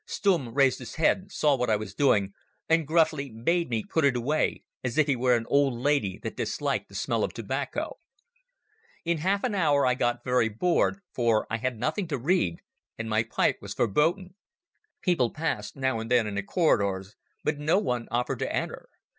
Stumm raised his head, saw what I was doing, and gruffly bade me put it away, as if he were an old lady that disliked the smell of tobacco. In half an hour I got very bored, for I had nothing to read and my pipe was verboten. People passed now and then in the corridors, but no one offered to enter.